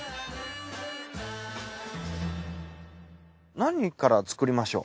何から作りましょう？